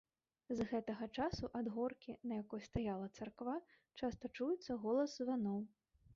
З гэтага часу ад горкі, на якой стаяла царква, часта чуецца голас званоў.